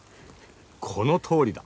このとおりだ。